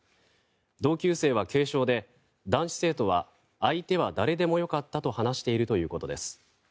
同級生は軽傷で、男子生徒は相手は誰でも良かったと話しているということです。